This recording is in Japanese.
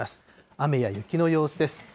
雨や雪の様子です。